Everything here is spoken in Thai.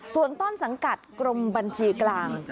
ส่วนต้นสังกัดกรมบัญชีกลาง